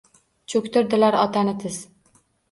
Cho’ktirdilar otani tiz